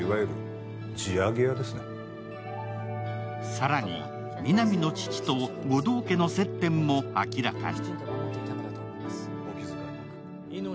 更に、皆実の父と護道家の接点も明らかに。